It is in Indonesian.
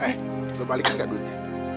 eh lo balikin gak duce